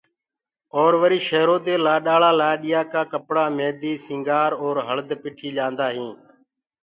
اور وري شيرو دي لآڏآݪآ لآڏيآ ڪآ ڪپڙآ، ميدي، سنگھآر اور هݪد پِٺي ليآندآ هينٚ